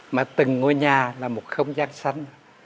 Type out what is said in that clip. mà từng ngôi nhà là một không gian xanh